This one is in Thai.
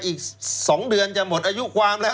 อีก๒เดือนจะหมดอายุความแล้ว